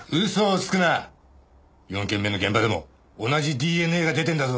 ４件目の現場でも同じＤＮＡが出てんだぞ。